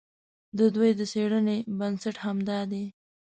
د دوی د څېړنې بنسټ همدا دی.